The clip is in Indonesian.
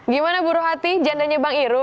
gimana bu rohati jandanya bang eroh